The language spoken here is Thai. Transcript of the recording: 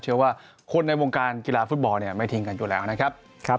เชื่อว่าคนในวงการกีฬาฟุตบอลเนี่ยไม่ทิ้งกันอยู่แล้วนะครับ